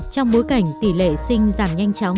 trong bối cảnh tỷ lệ sinh giảm nhanh chóng